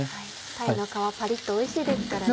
鯛の皮パリっとおいしいですからね。